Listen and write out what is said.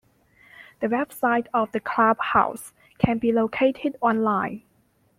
The website of the club house can be located online.